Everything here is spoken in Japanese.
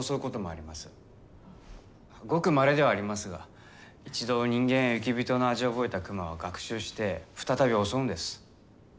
ごくまれではありますが一度人間や雪人の味を覚えた熊は学習して再び襲うんです。